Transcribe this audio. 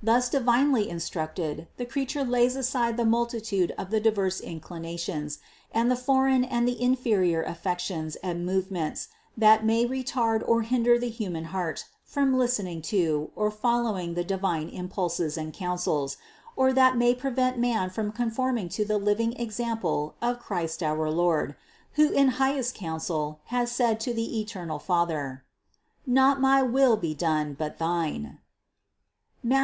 Thus divinely instruct ed, the creature lays aside the multitude of the diverse in clinations, and the foreign and the inferior affections and movements that may retard or hinder the human heart from listening to or following the divine impulses and counsels, or that may prevent man from conforming to the living example of Christ our Lord, who in highest council has said to the eternal Father: "Not my will be done, but thine" (Matth.